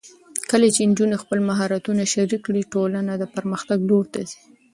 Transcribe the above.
کله چې نجونې خپل مهارتونه شریک کړي، ټولنه د پرمختګ لور ته ځي.